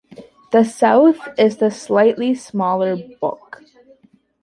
To the south is the slightly smaller Bok.